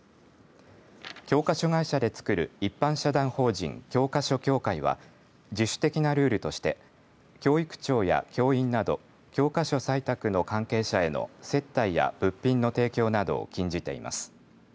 教科書会社でつくる一般社団法人教科書協会は自主的なルールとして教育長や教員など教科書採択の関係者への接待や物品の提供などを禁じています。